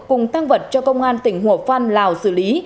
cùng tăng vật cho công an tỉnh hồ phan lào xử lý